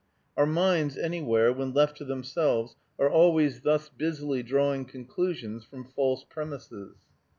Our minds anywhere, when left to themselves, are always thus busily drawing conclusions from false premises.